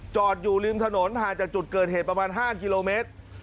จอดอยู่ริมถนนห่างจากจุดเกิดเหตุประมาณ๕กิโลเมตร